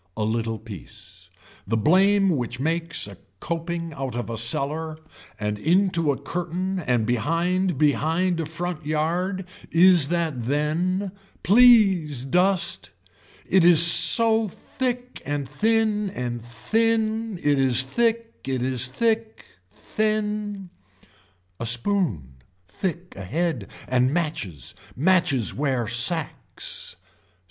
A little piece. The blame which makes a coping out of a cellar and into a curtain and behind behind a frontyard is that then. Please dust. It is so thick and thin and thin, it is thick. It is thick, thin. A spoon, thick ahead and matches, matches wear sacks.